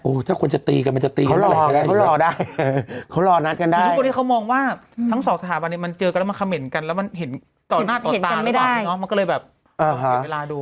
โอ้ถ้าคนจะตีกันมันจะตีกันเขารอได้เขารอนัดกันได้ทุกคนที่เขามองว่าทั้งสองสถาบันเนี้ยมันเจอกันแล้วมันคำเหม็นกันแล้วมันเห็นต่อหน้าต่อต่างกันไม่ได้มันก็เลยแบบอ่าฮะเวลาดู